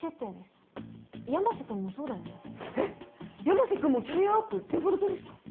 山瀬君もキャリアアップデフォルトですか？